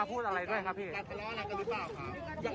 มาพูดอะไรด้วยครับพี่